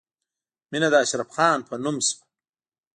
مینه د اشرف خان په نوم شوه